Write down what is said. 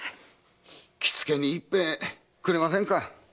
気つけに一杯くれませんか？